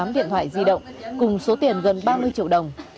tám điện thoại di động cùng số tiền gần ba mươi triệu đồng